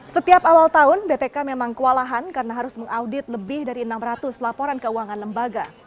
setiap awal tahun bpk memang kewalahan karena harus mengaudit lebih dari enam ratus laporan keuangan lembaga